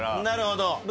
なるほど。